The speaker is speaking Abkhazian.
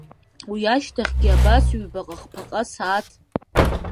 Уиашьҭахьгьы абас ҩҩбаҟа-хԥаҟа сааҭ,…